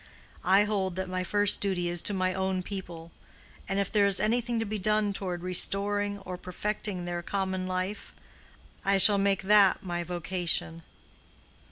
I hold that my first duty is to my own people, and if there is anything to be done toward restoring or perfecting their common life, I shall make that my vocation."